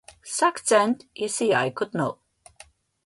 Vsak cent je sijal kot nov.